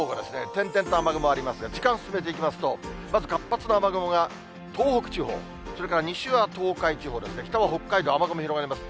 点々と雨雲ありますけど、時間進めていきますと、まず活発な雨雲が東北地方、それから西は東海地方ですね、北は北海道、雨雲広がります。